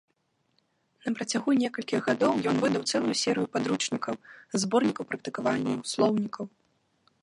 Напрацягу некалькіх гадоў, ён выдаў цэлую серыю падручнікаў, зборнікаў практыкаванняў, слоўнікаў.